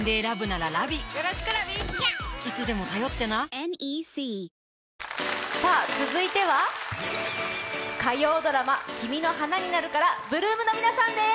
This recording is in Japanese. ヘアマスクもさあ続いては火曜ドラマ「君の花になる」から８ＬＯＯＭの皆さんです。